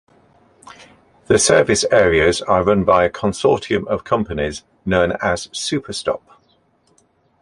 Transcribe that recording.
The service areas are run by a consortium of companies known as Superstop.